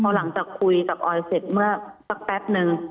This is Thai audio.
พอหลังจากคุยกับออยเสร็จเมื่อสักแป๊บนึง